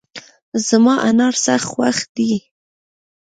زما انار سخت خوښ دي